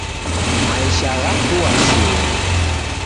Maisha ghakua shuu.